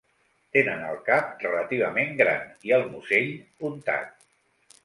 Tenen el cap relativament gran i el musell puntat.